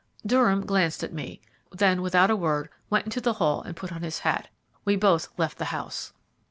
Durham glanced at me, then without a word went into the hall and put on his hat. We both left the house.